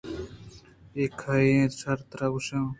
اے کئے اِنت؟ شر ترا گوٛشاں